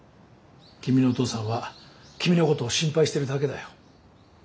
君のお父さんは君のことを心配してるだけだよ。